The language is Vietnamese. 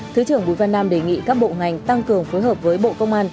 thứ trưởng bùi văn nam đề nghị các bộ ngành tăng cường phối hợp với bộ công an